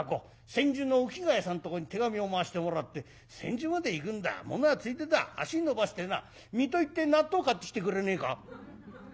千住の沖谷さんとこに手紙を回してもらって千住まで行くんだものはついでだ足延ばしてな水戸行って納豆買ってきてくれねえか」。